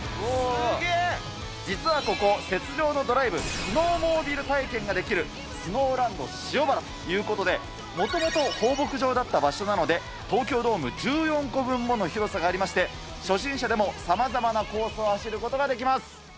実はここ、雪上のドライブ、スノーモービル体験ができる、スノーランド塩原ということで、もともと放牧場だった場所なので、東京ドーム１４個分もの広さがありまして、初心者でもさまざまなコースを走ることができます。